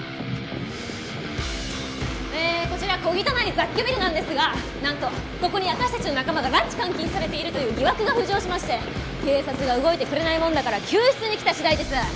えーこちら小汚い雑居ビルなんですがなんとここに私たちの仲間が拉致・監禁されているという疑惑が浮上しまして警察が動いてくれないもんだから救出に来た次第です！